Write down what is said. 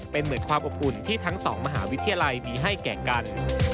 เป็นเหมือนความอบอุ่นที่ทั้งสองมหาวิทยาลัยมีให้แก่กัน